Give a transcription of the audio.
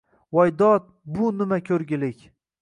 “Voy dod – bu nima ko‘rgilik!?”